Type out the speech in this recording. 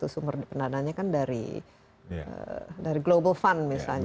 salah satu sumber pendanaannya kan dari global fund misalnya